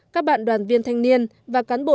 các bạn đoàn viên thanh niên và cán bộ